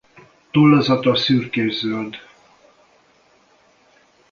Tollazata szürkészöld.